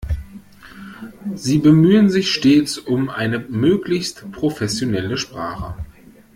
Sie bemühen sich stets um eine möglichst professionelle Sprache.